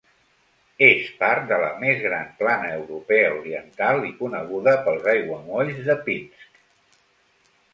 És part de la més gran Plana europea oriental i coneguda pels aiguamolls de Pinsk.